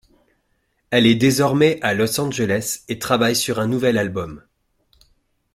Elle est désormais à Los Angeles et travaille sur un nouvel album.